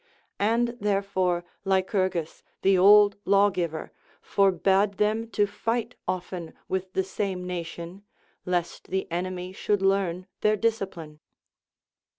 And therefore Lycurgus, the old lawgiver, forbade them to fight often with the same nation, lest the enemy should learn their discipline.